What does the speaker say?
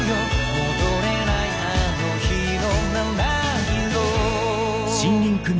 「戻れないあの日の七色」